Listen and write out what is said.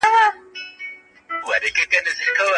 څېړونکي همدا اوس د پوهانو تیورۍ او اندونه راټولوي.